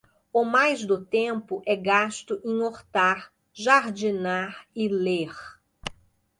O mais do tempo é gasto em hortar, jardinar e ler